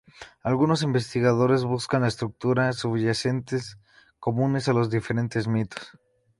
Algunos investigadores buscan las estructuras subyacentes comunes a los diferentes mitos.